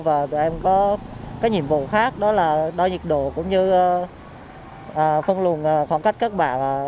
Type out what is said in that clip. và tụi em có cái nhiệm vụ khác đó là đo nhiệt độ cũng như phân luồng khoảng cách các bạn